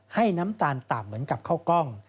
น้ำตาลต่ำเหมือนกับข้าวกล้อง